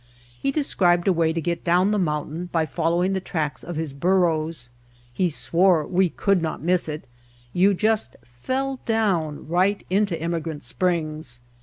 He described a way to get down the mountain by following the tracks of his burros. He swore we could not miss it, you just "fell down" right into Emigrant Springs.